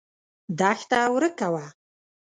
دښته ورکه وه.